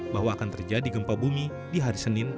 bahwa akan terjadi gempa bumi di hari senin